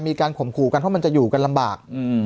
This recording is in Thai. ข่มขู่กันเพราะมันจะอยู่กันลำบาก